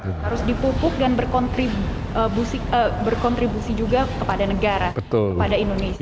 harus dipupuk dan berkontribusi juga kepada negara kepada indonesia